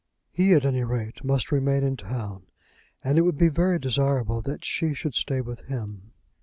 He at any rate must remain in town, and it would be very desirable that she should stay with him.